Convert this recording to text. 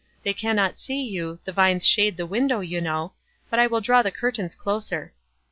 They cannot see yon, tho vines shade the window, yon know ; but I will draw the curtains closer."